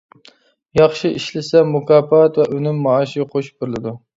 ياخشى ئىشلىسە مۇكاپات ۋە ئۈنۈم مائاشى قوشۇپ بېرىلىدۇ.